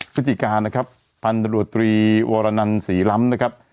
พฤศจิกานะครับพันธบรวจตรีวรนันศรีล้ำนะครับ